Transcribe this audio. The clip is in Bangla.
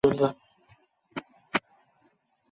সন্ন্যাসী সায়ং সময়ে সমুদয় সংগ্রহপূর্বক শ্মশানে যোগাসনে বসিলেন।